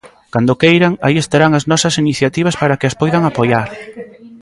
Cando queiran, aí estarán as nosas iniciativas para que as poidan apoiar.